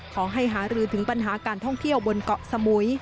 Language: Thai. ขอให้หารือถึงปัญหาการท่องเที่ยวบนเกาะสมุย